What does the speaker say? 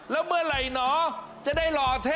แล้วเมื่อไหร่หนอจะได้หล่อเธอ